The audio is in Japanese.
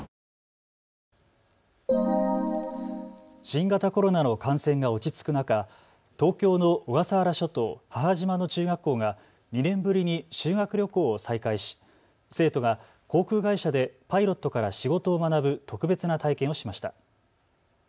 新型コロナの感染が落ち着く中、東京の小笠原諸島母島の中学校が２年ぶりに修学旅行を再開し生徒が航空会社でパイロットから仕事を学ぶ特別な体験をしました。